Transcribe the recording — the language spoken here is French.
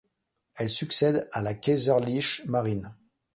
Elle succède à la Kaiserliche Marine.